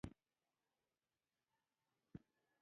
شبکه یې تقريبا هر کورته ننوتله.